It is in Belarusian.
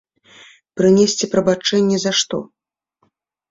Прынесці прабачэнні за што?